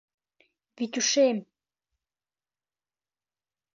— Витюшем!